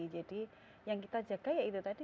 jadi yang kita jaga ya itu tadi